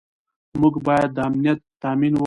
موږ باید امنیت تامین کړو.